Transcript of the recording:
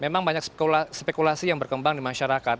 memang banyak spekulasi yang berkembang di masyarakat